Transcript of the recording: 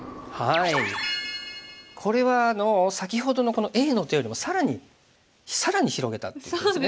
これは先ほどのこのＡの手よりも更に更に広げたっていう手ですね。